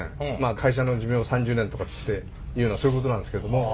会社の寿命は３０年とかっつっていうのはそういうことなんですけども。